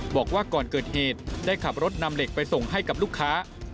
บอกว่าก่อนเกิดเหตุได้ขับรถนำเหล็กไปส่งให้กับลูกค้า